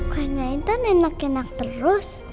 kue intan enak enak terus